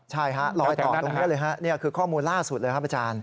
ใช่ฮะลอยต่อตรงนี้เลยฮะนี่คือข้อมูลล่าสุดเลยครับอาจารย์